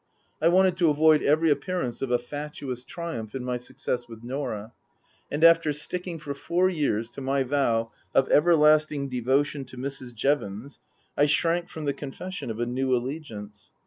I wanted to avoid every appearance of a fatuous triumph in my success with Norah. And after sticking for four years to my vow of everlasting devotion to Mrs. Jevons I shrank from the confession of a new allegiance.